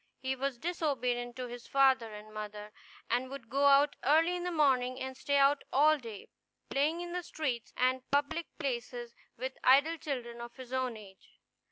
He was disobedient to his father and mother, and would go out early in the morning and stay out all day, playing in the streets and public places with idle children of his own age.